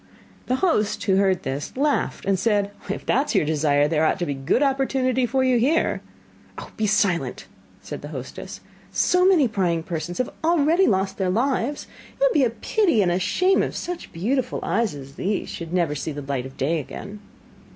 The host who heard this, laughed and said: 'If that is your desire, there ought to be a good opportunity for you here.' 'Ah, be silent,' said the hostess, 'so many prying persons have already lost their lives, it would be a pity and a shame if such beautiful eyes as these should never see the daylight again.